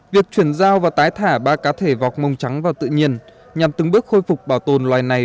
việc chuyển giao và tái thả ba cá thể vọc mông trắng vào tự nhiên nhằm từng bước khôi phục bảo tồn loài này